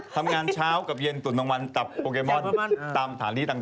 ทำงานเช้ากับเย็นตุ๋นทางวันจับโปเกมอนตามฐานที่ต่าง